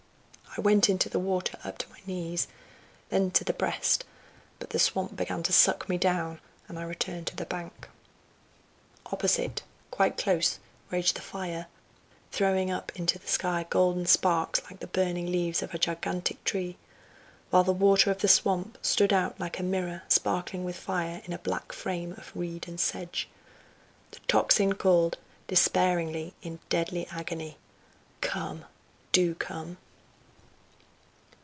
I went into the water up to my knees, then to the breast, but the swamp began to suck me down, and I returned to the bank. Opposite, quite close, raged the fire, throwing up into the sky golden sparks like the burning leaves of a gigantic tree: while the water of the swamp stood out like a mirror sparkling with fire in a black frame of reed and sedge. The tocsin called, despairingly in deadly agony: "Come! do come!"